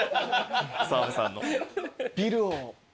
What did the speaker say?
澤部さんの。